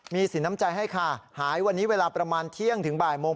มีสินน้ำใจให้ค่ะหายวันนี้เวลาประมาณเที่ยงถึงบ่ายโมง